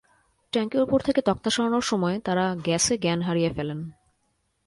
ট্যাংকের ওপর থেকে তক্তা সরানোর সময় তাঁরা গ্যাসে জ্ঞান হারিয়ে ফেলেন।